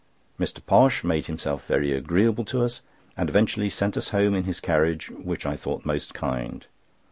Mr. Posh made himself very agreeable to us, and eventually sent us home in his carriage, which I thought most kind.